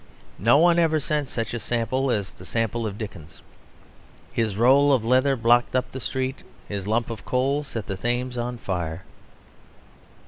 No one ever sent such a sample as the sample of Dickens. His roll of leather blocked up the street; his lump of coal set the Thames on fire.